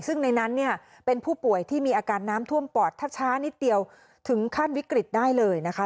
ซึ่งในนั้นเนี่ยเป็นผู้ป่วยที่มีอาการน้ำท่วมปอดถ้าช้านิดเดียวถึงขั้นวิกฤตได้เลยนะคะ